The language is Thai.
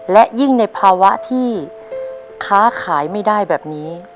และยิ่งในภาวะที่ค้าขายไม่ได้แบบนี้